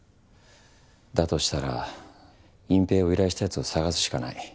だとしたら隠蔽を依頼したやつを捜すしかない。